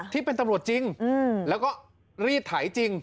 ที่เป็นตำรวจจริงแล้วก็รีดไถจริง